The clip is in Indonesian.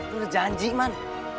lu udah janji man